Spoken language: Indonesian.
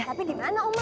tapi dimana oma